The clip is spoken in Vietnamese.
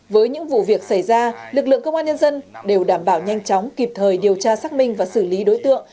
với những vụ việc xảy ra lực lượng công an nhân dân đều đảm bảo nhanh chóng kịp thời điều tra xác minh và xử lý đối tượng